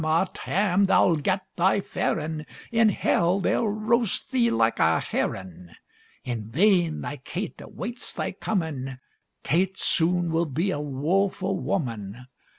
ah, Tam, thou'll get thy fairin'! In hell they'll roast thee like a herrin'! In vain thy Kate awaits thy comin'! Kate soon will be a woefu' woman!